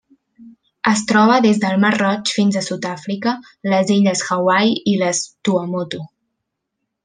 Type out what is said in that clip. Es troba des del Mar Roig fins a Sud-àfrica, les Illes Hawaii i les Tuamotu.